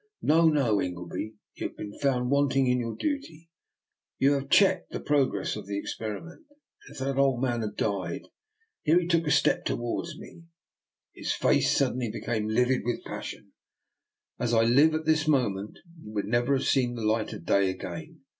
No! no! Ingleby, you have been found wanting in your duty; you have checked the progress of the experiment, and if that old man had died "— here he took a step towards me, and his face suddenly be came livid with passion — "as I live at this moment you would never have seen the light of day again.